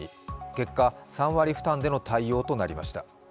結果、３割負担での対応となりました。